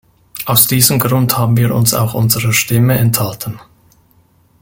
Aus diesem Grund haben wir uns auch unserer Stimme enthalten.